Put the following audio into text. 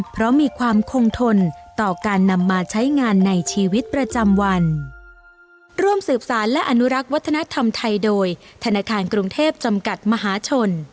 เพราะมีความคงทนต่อการนำมาใช้งานในชีวิตประจำวัน